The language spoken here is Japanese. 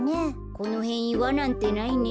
このへんいわなんてないね。